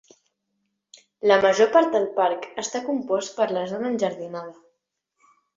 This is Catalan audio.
La major part del parc està compost per la zona enjardinada.